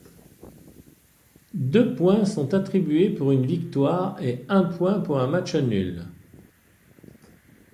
Deux points sont attribués pour une victoire et un point pour un match nul.